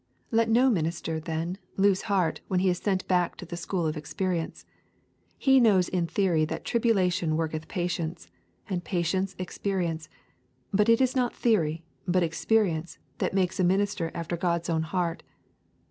Let no minister, then, lose heart when he is sent back to the school of experience. He knows in theory that tribulation worketh patience, and patience experience, but it is not theory, but experience, that makes a minister after God's own heart.